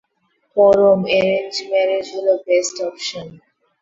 পরম, arrange marriage হলো best option.